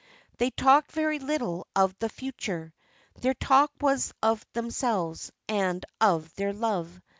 They talked very little of the future. Their talk was of themselves, and of their love.